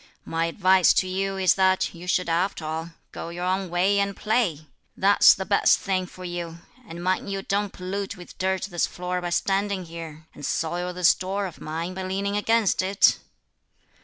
My advice to you is that you should after all go your own way and play; that's the best thing for you; and mind you don't pollute with dirt this floor by standing here, and soil this door of mine by leaning against it!"